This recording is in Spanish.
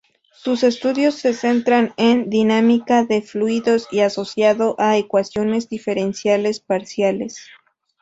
Sus estudios se centran en dinámica de fluidos y asociado a ecuaciones diferenciales parciales.